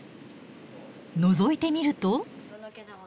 のぞいてみると。